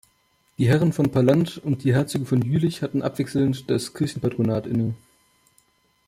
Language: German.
Die Herren von Palant und die Herzöge von Jülich hatten abwechselnd das Kirchenpatronat inne.